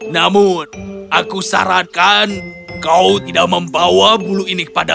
namun aku sarankan kau tidak membawa bulu ini kepada